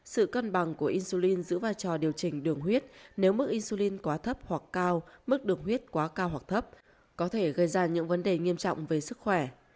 sự cân bằng của insulin giữ vai trò điều chỉnh đường huyết nếu mức insulin quá thấp hoặc cao mức đường huyết quá cao hoặc thấp có thể gây ra những vấn đề nghiêm trọng về sức khỏe